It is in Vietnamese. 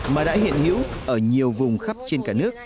mà đã hiện hữu ở nhiều vùng khắp trên cả nước